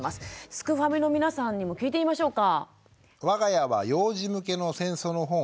すくファミの皆さんにも聞いてみましょうか。